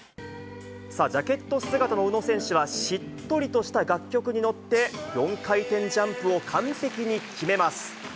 さあ、ジャケット姿の宇野選手は、しっとりとした楽曲に乗って、４回転ジャンプを完璧に決めます。